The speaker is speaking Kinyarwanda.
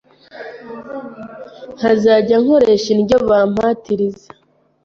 nkazajya nkoresha indyo bampatiriza